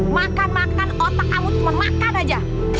makan makan otak angut cuma makan aja